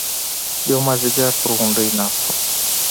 يو مازديگر پر غونډۍ ناست وم.